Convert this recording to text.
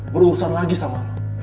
berurusan lagi sama lo